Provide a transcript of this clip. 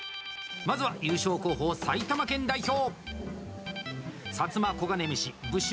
まずは優勝候補、埼玉県代表。